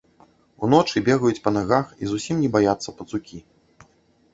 Уночы бегаюць па нагах і зусім не баяцца пацукі.